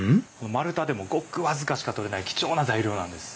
丸太でもごく僅かしかとれない貴重な材料なんです。